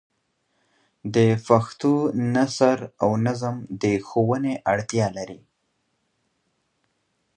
د پښتو نثر او نظم د ښوونې اړتیا لري.